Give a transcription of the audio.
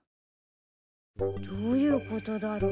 どういうことだろう。